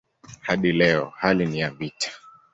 Hadi leo hali ni ya vita.